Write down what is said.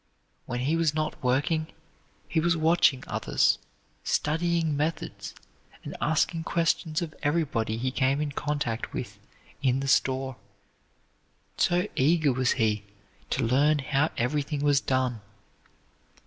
When he was not working, he was watching others, studying methods, and asking questions of everybody he came in contact with in the store, so eager was he to learn how everything was done.